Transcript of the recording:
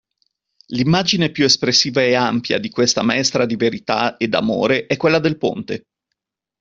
L'immagine più espressiva e ampia di questa maestra di verità e d'amore è quella del ponte.